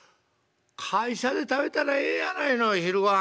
会社で食べたらええやないの昼ごはん。